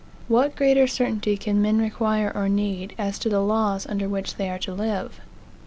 What greater certainty can men require or need, as to the laws under which they are to live?